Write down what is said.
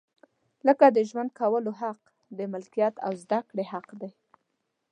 لکه د ژوند کولو حق، د ملکیت او زده کړې حق دی.